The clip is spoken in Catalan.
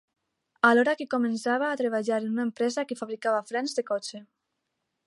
Alhora que començava a treballar en una empresa que fabricava frens de cotxe.